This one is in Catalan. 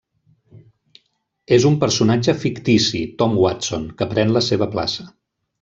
És un personatge fictici, Tom Watson, que pren la seva plaça.